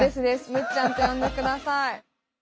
むっちゃんって呼んで下さい。